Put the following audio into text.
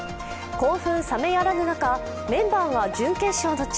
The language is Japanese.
興奮さめやらぬ中メンバーが準決勝の地